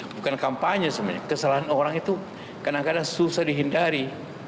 bukan kampanye sebenarnya kesalahan orang itu kadang kadang susah dihindari